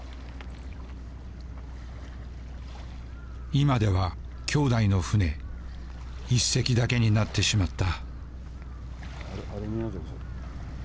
今では兄弟の船一隻だけになってしまった。